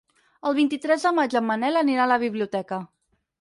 El vint-i-tres de maig en Manel anirà a la biblioteca.